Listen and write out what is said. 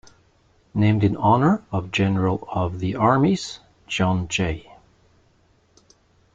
Named in honor of General of the Armies John J.